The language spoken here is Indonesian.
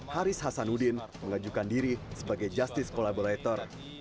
haris hasanuddin mengajukan diri sebagai justice collaborator